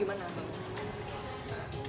tidak ada tanggapan